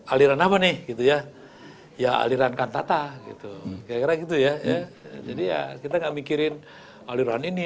aliran apa nih ya aliran kantata gitu kayak gitu ya jadi ya kita enggak mikirin aliran ini